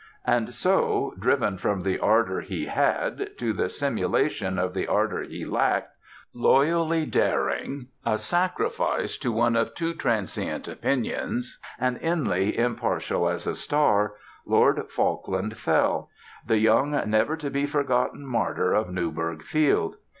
And so, driven from the ardor he had to the simulation of the ardor he lacked, loyally daring, a sacrifice to one of two transient opinions, and inly impartial as a star, Lord Falkland fell: the young never to be forgotten martyr of Newburg field.